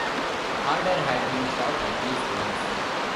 Harder had been shot at least once.